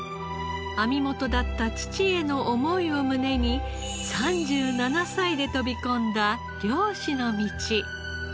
網元だった父への思いを胸に３７歳で飛び込んだ漁師の道。